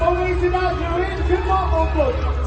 โอมินาซิ่งอยู่อีกขึ้นมาอุปกรณ์